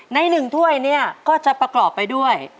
ใน๑ถ้วยเนี่ยก็จะประกอบไปด้วย